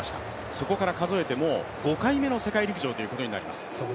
そこから数えてもう５回目の世界陸上ということになります。